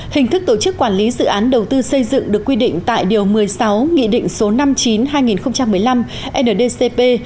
hình thức tổ chức quản lý dự án đầu tư xây dựng được quy định tại điều một mươi sáu nghị định số năm mươi chín hai nghìn một mươi năm ndcp